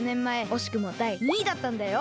おしくもだい２位だったんだよ。